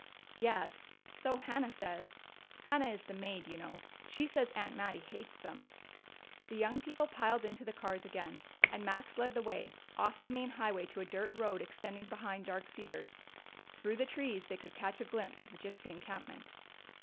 "Yes, so Hannah says Hannah is the maid, you know. She says Aunt Mattie hates them." The young people piled into the cars again, and Max led the way, off the main highway to a dirt road extending behind Dark Cedars. Through the trees they could catch a glimpse of the gypsy encampment.